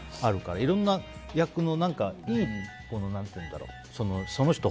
いろんな役の、いいものを。